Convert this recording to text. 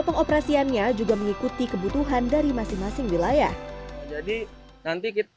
pengoperasiannya juga mengikuti kebutuhan dari masing masing wilayah jadi nanti kita